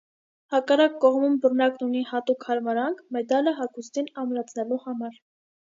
Հակառակ կողմում բռնակն ունի հատուկ հարմարանք՝ մեդալը հագուստին ամրացնելու համար։